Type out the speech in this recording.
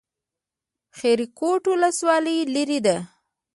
خیرکوټ ولسوالۍ لیرې ده؟